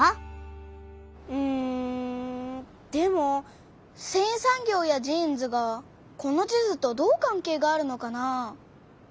うんでもせんい産業やジーンズがこの地図とどう関係があるのかな？